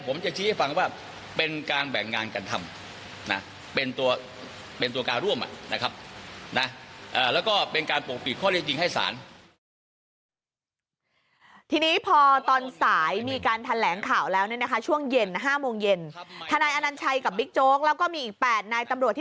ก็ไม่มีการแจ้งว่านี่เป็นขบวนการเพื่อปกปิดข้อเล็กจริงต่อสาร